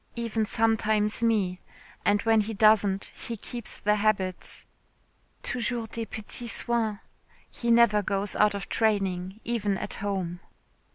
Even sometimes me. And when he doesn't, he keeps the habits. Toujours des petits soins. He never goes out of training, even at home."